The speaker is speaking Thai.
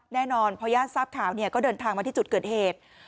แน่นอนพอญาติทราบข่าวเนี่ยก็เดินทางมาที่จุดเกิดเหตุ